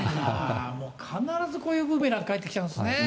もう必ずこういうブーメラン帰ってきちゃうんですね。